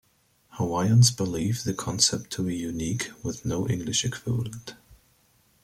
Hawaiians believe the concept to be unique, with no English equivalent.